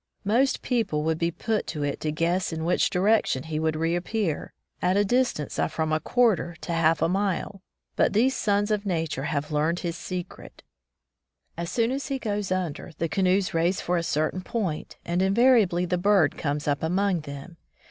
Most people would be put to it to guess in which direction he would reappear, at a dis tance of from a quarter to half a mile, but these sons of nature have learned his secret. As soon as he goes under, the canoes race for a certain point, and invariably the bird comes up among them.